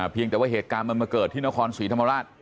เพียงแต่ว่าเหตุการณ์มันมาเกิดที่นครศรีธรรมราช